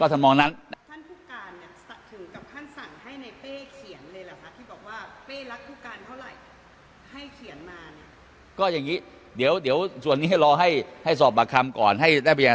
ใช่คนที่เขียนหนังสือว่าจะให้เอาเท่าไหร่หรือเปล่าคะ